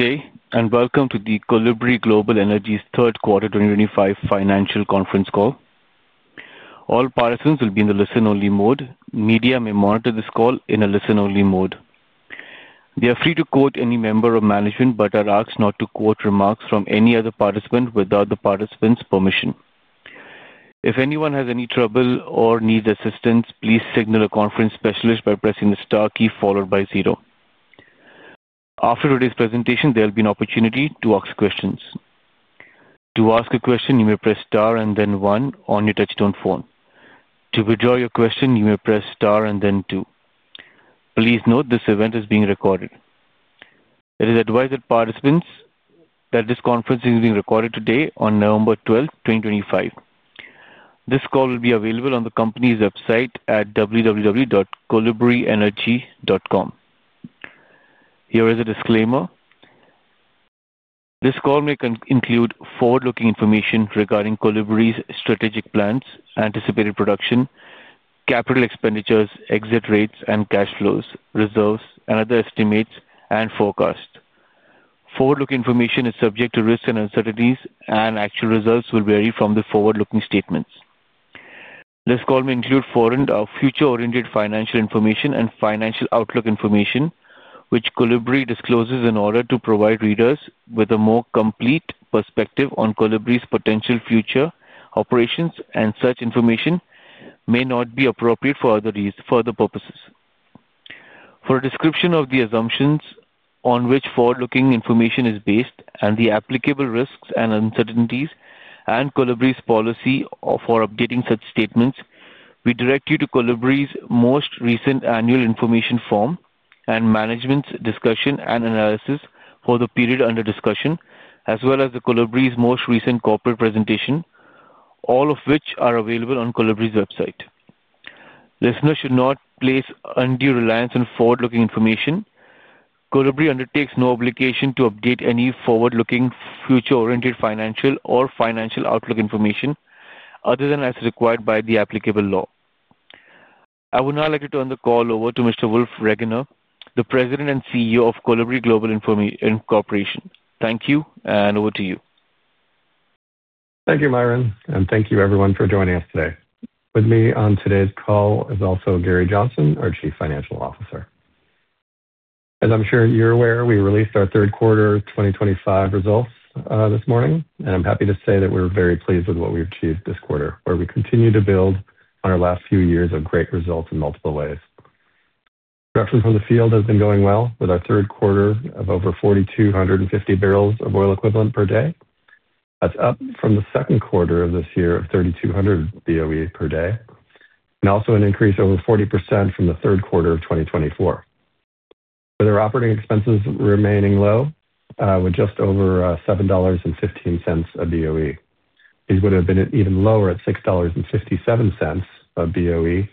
Okay, and welcome to the Kolibri Global Energy's third quarter 2025 financial conference call. All participants will be in the listen-only mode. Media may monitor this call in a listen-only mode. They are free to quote any member of management, but are asked not to quote remarks from any other participant without the participant's permission. If anyone has any trouble or needs assistance, please signal a conference specialist by pressing the star key followed by zero. After today's presentation, there will be an opportunity to ask questions. To ask a question, you may press star and then one on your touch-tone phone. To withdraw your question, you may press star and then two. Please note this event is being recorded. It is advised that participants that this conference is being recorded today on November 12th, 2025. This call will be available on the company's website at www.kolibrienergy.com. Here is a disclaimer. This call may include forward-looking information regarding Kolibri's strategic plans, anticipated production, capital expenditures, exit rates, and cash flows, reserves, and other estimates and forecasts. Forward-looking information is subject to risks and uncertainties, and actual results will vary from the forward-looking statements. This call may include foreign or future-oriented financial information and financial outlook information, which Kolibri discloses in order to provide readers with a more complete perspective on Kolibri's potential future operations, and such information may not be appropriate for other purposes. For a description of the assumptions on which forward-looking information is based and the applicable risks and uncertainties and Kolibri's policy for updating such statements, we direct you to Kolibri's most recent annual information form and management's discussion and analysis for the period under discussion, as well as Kolibri's most recent corporate presentation, all of which are available on Kolibri's website. Listeners should not place undue reliance on forward-looking information. Kolibri undertakes no obligation to update any forward-looking, future-oriented financial or financial outlook information other than as required by the applicable law. I would now like to turn the call over to Mr. Wolf Regener, the President and CEO of Kolibri Global Incorporation. Thank you, and over to you. Thank you, Myron, and thank you everyone for joining us today. With me on today's call is also Gary Johnson, our Chief Financial Officer. As I'm sure you're aware, we released our third quarter 2025 results this morning, and I'm happy to say that we're very pleased with what we've achieved this quarter, where we continue to build on our last few years of great results in multiple ways. Production from the field has been going well with our third quarter of over 4,250 barrels of oil equivalent per day. That's up from the second quarter of this year of 3,200 BOE per day, and also an increase of over 40% from the third quarter of 2024. With our operating expenses remaining low, with just over $7.15 a BOE, these would have been even lower at $6.57 a BOE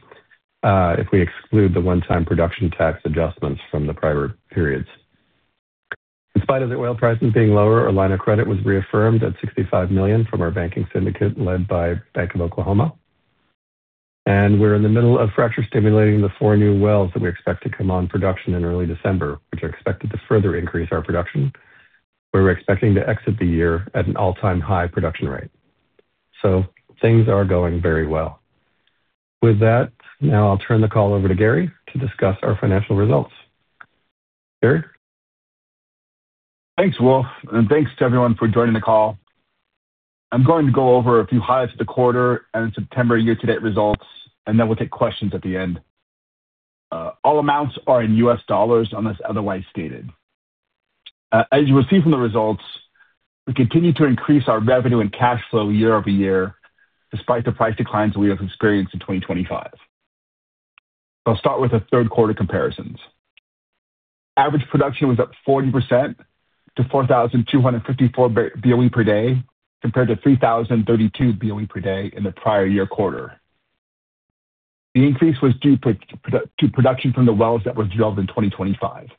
if we exclude the one-time production tax adjustments from the prior periods. In spite of the oil prices being lower, our line of credit was reaffirmed at $65 million from our banking syndicate led by Bank of Oklahoma. We are in the middle of fracture stimulating the four new wells that we expect to come on production in early December, which are expected to further increase our production, where we are expecting to exit the year at an all-time high production rate. Things are going very well. With that, now I will turn the call over to Gary to discuss our financial results. Gary? Thanks, Wolf, and thanks to everyone for joining the call. I'm going to go over a few highlights of the quarter and September year-to-date results, and then we'll take questions at the end. All amounts are in US dollars unless otherwise stated. As you will see from the results, we continue to increase our revenue and cash flow year-over-year, despite the price declines we have experienced in 2025. I'll start with the third quarter comparisons. Average production was up 40% to 4,254 BOE per day compared to 3,032 BOE per day in the prior year quarter. The increase was due to production from the wells that were drilled in 2025.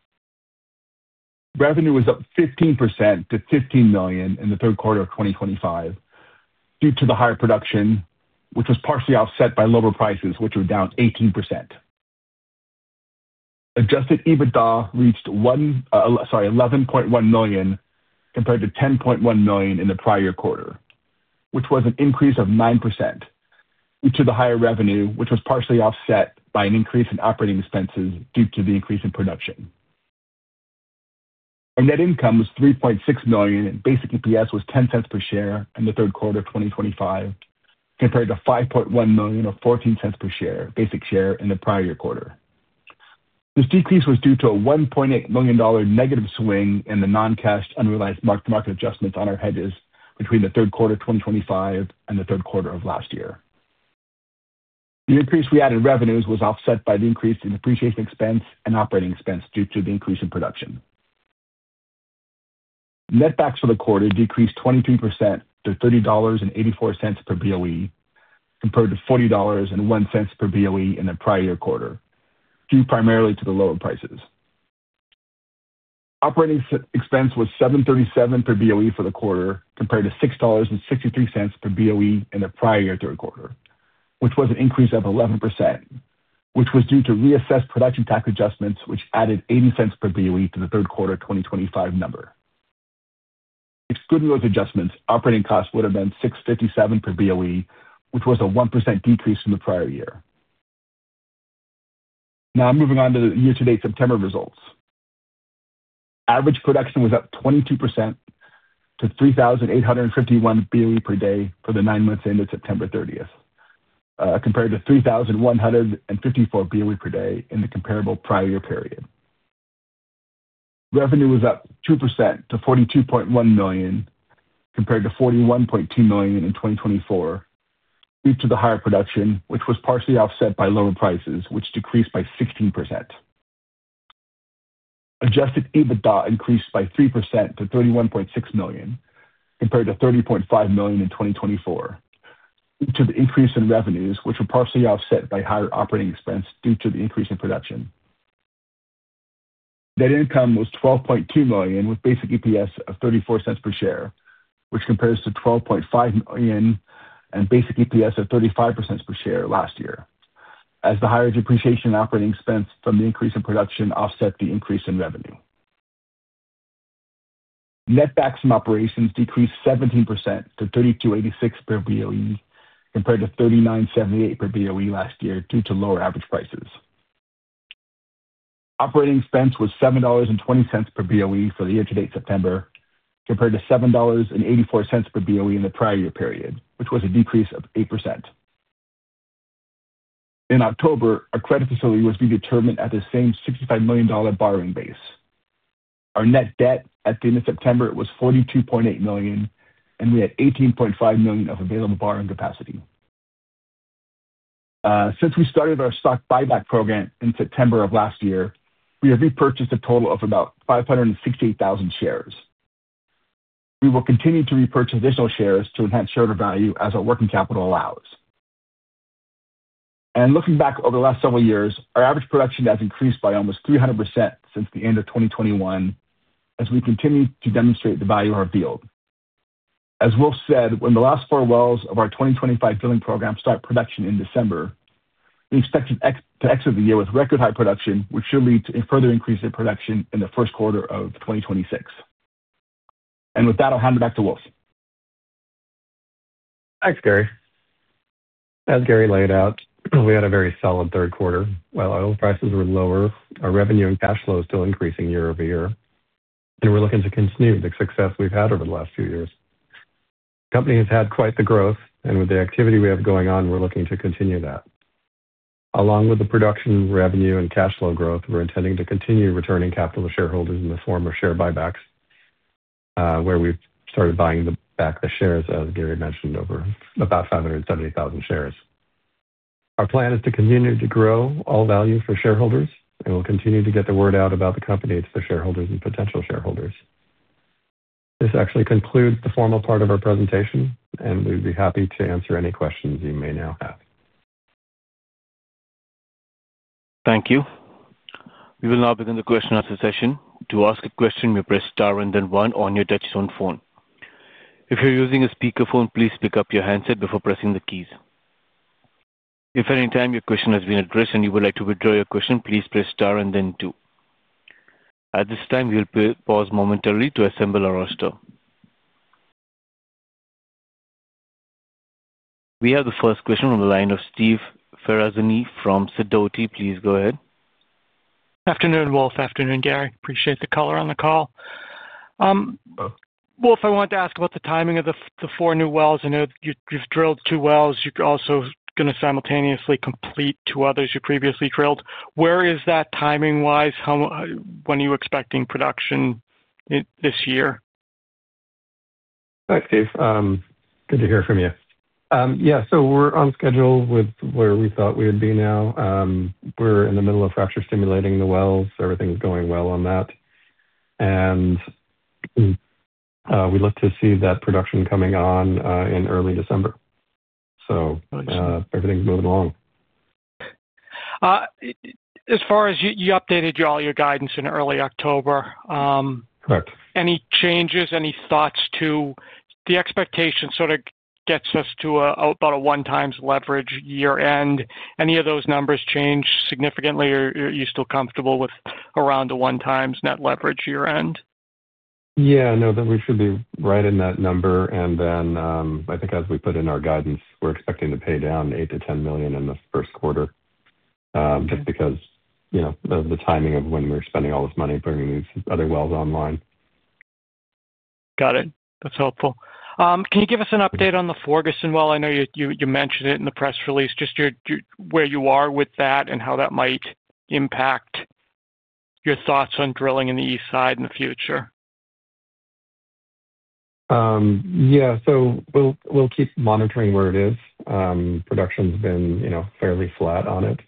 Revenue was up 15% to $15 million in the third quarter of 2025 due to the higher production, which was partially offset by lower prices, which were down 18%. Adjusted EBITDA reached $11.1 million compared to $10.1 million in the prior quarter, which was an increase of 9% due to the higher revenue, which was partially offset by an increase in operating expenses due to the increase in production. Our net income was $3.6 million, and basic EPS was $0.10 per share in the third quarter of 2025 compared to $5.1 million or $0.14 per basic share in the prior year quarter. This decrease was due to a $1.8 million negative swing in the non-cash unrealized mark-to-market adjustments on our hedges between the third quarter of 2025 and the third quarter of last year. The increase we added revenues was offset by the increase in depreciation expense and operating expense due to the increase in production. Net back for the quarter decreased 23% to $30.84 per BOE compared to $40.01 per BOE in the prior year quarter, due primarily to the lower prices. Operating expense was $7.37 per BOE for the quarter compared to $6.63 per BOE in the prior year third quarter, which was an increase of 11%, which was due to reassessed production tax adjustments, which added $0.80 per BOE to the third quarter 2025 number. Excluding those adjustments, operating costs would have been $6.57 per BOE, which was a 1% decrease from the prior year. Now, moving on to the year-to-date September results. Average production was up 22% to 3,851 BOE per day for the nine months ended September 30th, compared to 3,154 BOE per day in the comparable prior year period. Revenue was up 2% to $42.1 million compared to $41.2 million in 2024 due to the higher production, which was partially offset by lower prices, which decreased by 16%. Adjusted EBITDA increased by 3% to $31.6 million compared to $30.5 million in 2024 due to the increase in revenues, which were partially offset by higher operating expense due to the increase in production. Net income was $12.2 million with basic EPS of $0.34 per share, which compares to $12.5 million and basic EPS of $0.35 per share last year, as the higher depreciation and operating expense from the increase in production offset the increase in revenue. Net back from operations decreased 17% to $3,286 per BOE compared to $3,978 per BOE last year due to lower average prices. Operating expense was $7.20 per BOE for the year-to-date September, compared to $7.84 per BOE in the prior year period, which was a decrease of 8%. In October, our credit facility was redetermined at the same $65 million borrowing base. Our net debt at the end of September was $42.8 million, and we had $18.5 million of available borrowing capacity. Since we started our stock buyback program in September of last year, we have repurchased a total of about 568,000 shares. We will continue to repurchase additional shares to enhance share value as our working capital allows. Looking back over the last several years, our average production has increased by almost 300% since the end of 2021, as we continue to demonstrate the value of our field. As Wolf said, when the last four wells of our 2025 drilling program start production in December, we expect to exit the year with record high production, which should lead to a further increase in production in the first quarter of 2026. With that, I'll hand it back to Wolf. Thanks, Gary. As Gary laid out, we had a very solid third quarter. While oil prices were lower, our revenue and cash flow is still increasing year-over-year, and we're looking to continue the success we've had over the last few years. The company has had quite the growth, and with the activity we have going on, we're looking to continue that. Along with the production revenue and cash flow growth, we're intending to continue returning capital to shareholders in the form of share buybacks, where we've started buying back the shares, as Gary mentioned, over about 570,000 shares. Our plan is to continue to grow all value for shareholders, and we'll continue to get the word out about the company to shareholders and potential shareholders. This actually concludes the formal part of our presentation, and we'd be happy to answer any questions you may now have. Thank you. We will now begin the question-answer session. To ask a question, you press star and then one on your touch-tone phone. If you're using a speakerphone, please pick up your handset before pressing the keys. If at any time your question has been addressed and you would like to withdraw your question, please press star and then two. At this time, we'll pause momentarily to assemble our roster. We have the first question on the line of Steve Ferazani from Sidoti. Please go ahead. Afternoon, Wolf. Afternoon, Gary. Appreciate the color on the call. Wolf, I wanted to ask about the timing of the four new wells. I know you've drilled two wells. You're also going to simultaneously complete two others you previously drilled. Where is that timing-wise? When are you expecting production this year? Hi, Steve. Good to hear from you. Yeah, we're on schedule with where we thought we would be now. We're in the middle of fracture stimulating the wells. Everything's going well on that. We look to see that production coming on in early December. Everything's moving along. As far as you updated all your guidance in early October. Correct. Any changes? Any thoughts to the expectation sort of gets us to about a one-times leverage year-end. Any of those numbers change significantly, or are you still comfortable with around a one-times net leverage year-end? Yeah, no, we should be right in that number. I think as we put in our guidance, we're expecting to pay down $8 million-$10 million in the first quarter just because of the timing of when we're spending all this money bringing these other wells online. Got it. That's helpful. Can you give us an update on the Forguson well? I know you mentioned it in the press release. Just where you are with that and how that might impact your thoughts on drilling in the east side in the future. Yeah, so we'll keep monitoring where it is. Production's been fairly flat on it.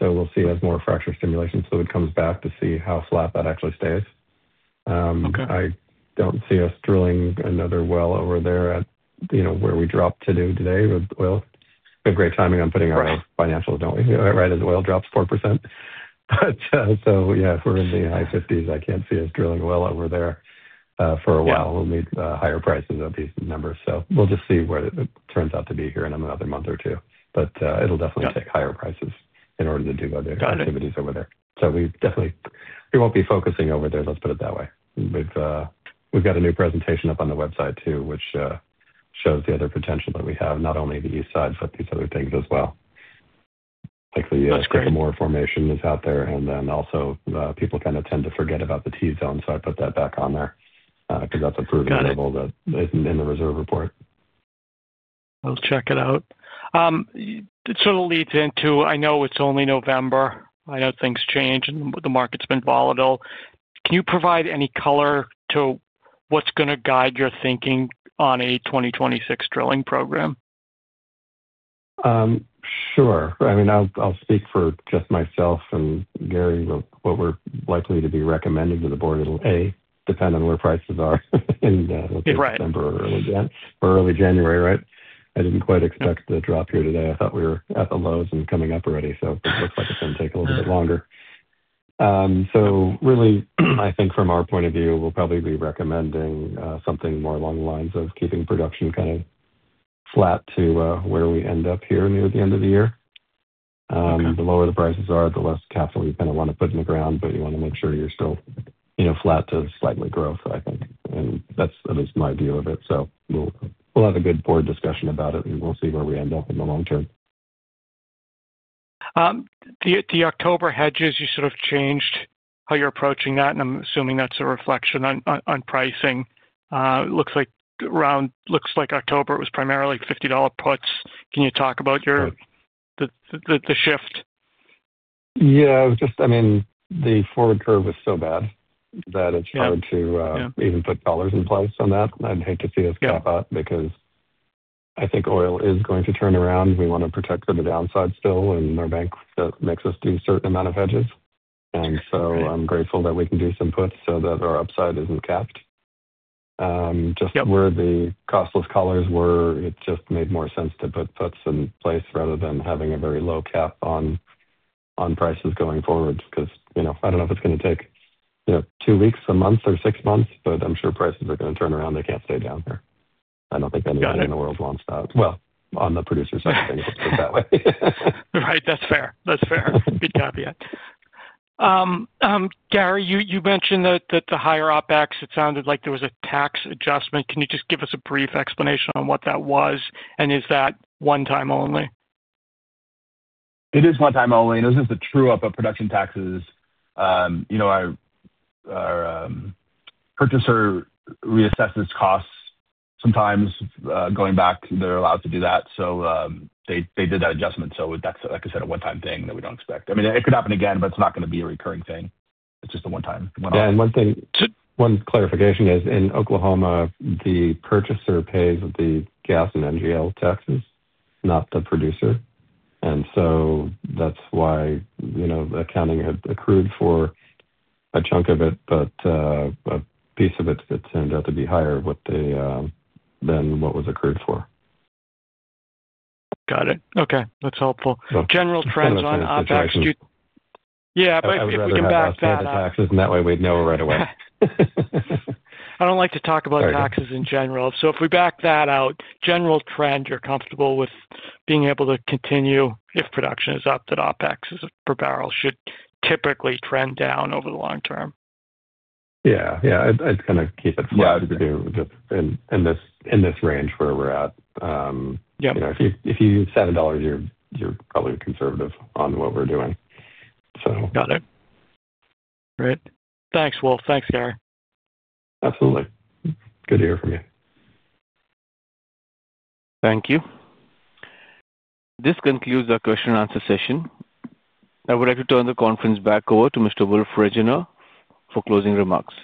We'll see as more fracture stimulation fluid comes back to see how flat that actually stays. I don't see us drilling another well over there at where we dropped to do today with oil. We have great timing on putting our financials, don't we? Right as oil drops 4%. If we're in the high 50s, I can't see us drilling well over there for a while. We'll need higher prices at these numbers. We'll just see where it turns out to be here in another month or two. It'll definitely take higher prices in order to do other activities over there. We definitely won't be focusing over there. Let's put it that way. We've got a new presentation up on the website too, which shows the other potential that we have, not only the east side, but these other things as well. Like the [Sycamore] formation is out there. And then also people kind of tend to forget about the T-zone. So I put that back on there because that's a proven level that isn't in the reserve report. I'll check it out. It sort of leads into I know it's only November. I know things change and the market's been volatile. Can you provide any color to what's going to guide your thinking on a 2026 drilling program? Sure. I mean, I'll speak for just myself and Gary. What we're likely to be recommending to the board is, A, depend on where prices are in December or early January, right? I didn't quite expect the drop here today. I thought we were at the lows and coming up already. It looks like it's going to take a little bit longer. Really, I think from our point of view, we'll probably be recommending something more along the lines of keeping production kind of flat to where we end up here near the end of the year. The lower the prices are, the less capital you kind of want to put in the ground, but you want to make sure you're still flat to slightly growth, I think. That is my view of it. We'll have a good board discussion about it, and we'll see where we end up in the long term. The October hedges, you sort of changed how you're approaching that, and I'm assuming that's a reflection on pricing. It looks like around, looks like October it was primarily $50 puts. Can you talk about the shift? Yeah, I mean, the forward curve was so bad that it's hard to even put dollars in place on that. I'd hate to see us cap out because I think oil is going to turn around. We want to protect for the downside still, and our bank makes us do a certain amount of hedges. I'm grateful that we can do some puts so that our upside isn't capped. Just where the costless collars were, it just made more sense to put puts in place rather than having a very low cap on prices going forward because I don't know if it's going to take two weeks, a month, or six months, but I'm sure prices are going to turn around. They can't stay down here. I don't think anybody in the world wants that. On the producer side, I think it looks that way. Right. That's fair. That's fair. Good caveat. Gary, you mentioned that the higher OpEx, it sounded like there was a tax adjustment. Can you just give us a brief explanation on what that was, and is that one-time only? It is one-time only. This is the true-up of production taxes. Our purchaser reassesses costs sometimes going back. They're allowed to do that. They did that adjustment. Like I said, a one-time thing that we don't expect. I mean, it could happen again, but it's not going to be a recurring thing. It's just a one-time one-off. Yeah. One clarification is, in Oklahoma, the purchaser pays the gas and NGL taxes, not the producer. That is why accounting had accrued for a chunk of it, but a piece of it turned out to be higher than what was accrued for. Got it. Okay. That's helpful. General trends on OpEx. Yeah. If we can back that out. If we can back the taxes in that way, we'd know right away. I don't like to talk about taxes in general. If we back that out, general trend, you're comfortable with being able to continue if production is up that OpEx per barrel should typically trend down over the long term? Yeah. Yeah. I'd kind of keep it flat to do in this range where we're at. If you use $7, you're probably conservative on what we're doing, so. Got it. Great. Thanks, Wolf. Thanks, Gary. Absolutely. Good to hear from you. Thank you. This concludes our question-answer session. I would like to turn the conference back over to Mr. Wolf Regener for closing remarks.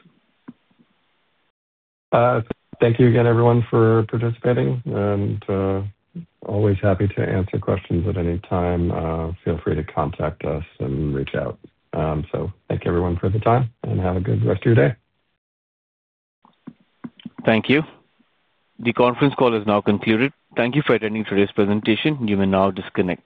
Thank you again, everyone, for participating. And always happy to answer questions at any time. Feel free to contact us and reach out. So thank you, everyone, for the time, and have a good rest of your day. Thank you. The conference call is now concluded. Thank you for attending today's presentation. You may now disconnect.